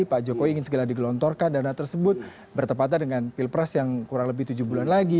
pak jokowi ingin segera digelontorkan dana tersebut bertepatan dengan pilpres yang kurang lebih tujuh bulan lagi